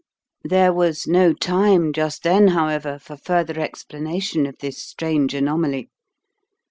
There was no time just then, however, for further explanation of this strange anomaly.